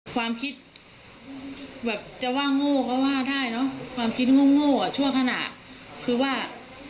ความคิดแบบจะว่าโง่ก็ว่าได้เนอะความคิดโง่อ่ะชั่วขณะคือว่า